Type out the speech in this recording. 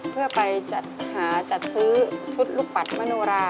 เพื่อไปจัดหาจัดซื้อชุดลูกปัดมโนรา